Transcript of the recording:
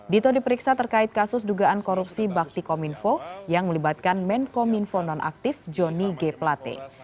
dito diperiksa terkait kasus dugaan korupsi bakti kominfo yang melibatkan menkominfo nonaktif joni g plate